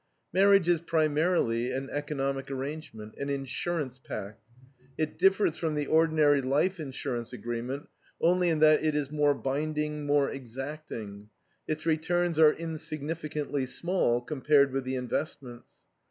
Marriage is primarily an economic arrangement, an insurance pact. It differs from the ordinary life insurance agreement only in that it is more binding, more exacting. Its returns are insignificantly small compared with the investments.